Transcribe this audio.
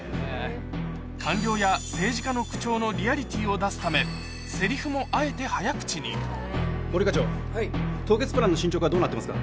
官僚や政治家の口調のリアリティーを出すため、せりふもあえて早森課長、凍結プランの進捗はどうなってますか。